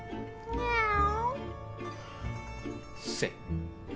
ニャオ！